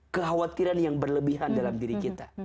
kekhawatiran yang berlebihan dalam diri kita